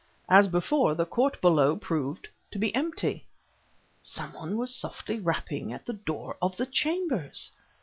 As before, the court below proved to be empty.... Some one was softly rapping at the door of the chambers!